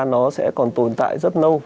nó sẽ còn tồn tại rất lâu